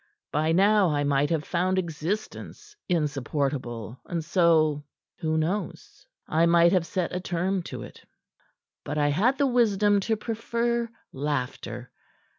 By now I might have found existence insupportable, and so who knows? I might have set a term to it. But I had the wisdom to prefer laughter.